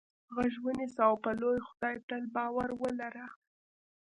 غوږ ونیسه او په لوی خدای تل باور ولره.